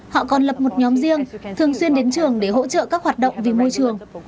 họ còn lập một nhóm riêng thường xuyên đến trường để hỗ trợ các hoạt động vì môi trường